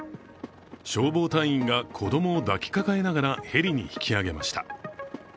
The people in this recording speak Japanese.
消防隊員が子供をだき抱えながらヘリに引き揚げました。